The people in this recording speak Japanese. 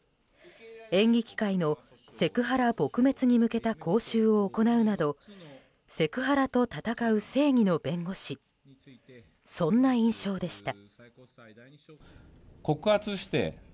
演劇界のセクハラ撲滅に向けた講習を行うなどセクハラと戦う正義の弁護士そんな印象でした。